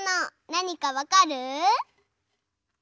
なにかわかる？